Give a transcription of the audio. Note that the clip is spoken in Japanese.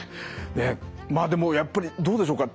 まあでもやっぱりどうでしょうか？